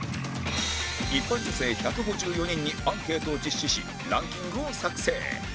一般女性１５４人にアンケートを実施しランキングを作成